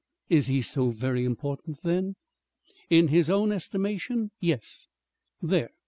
"Is he so very important, then?" "In his own estimation yes! There!